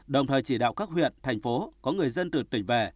đồng thời chỉ đạo các huyện thành phố có người dân từ tỉnh về